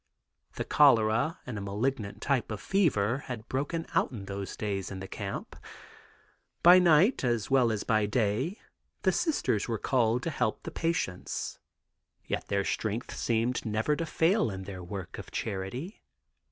The cholera and a malignant type of fever had broken out in those days in the camp. By night as well as by day the Sisters were called to help the patients, yet their strength seemed never to fail in their work of charity.